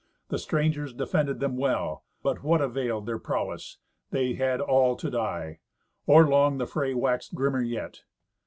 The strangers defended them well; but what availed their prowess? They had all to die. Or long the fray waxed grimmer yet.